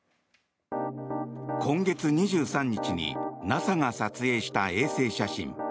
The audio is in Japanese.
今月２３日にＮＡＳＡが撮影した衛星写真。